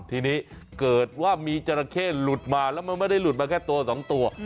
ทีนี้เกิดว่ามีจราเข้หลุดมาแล้วมันไม่ได้หลุดมาแค่ตัวสองตัว